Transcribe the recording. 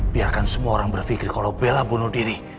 biarkan semua orang berpikir kalau bela bunuh diri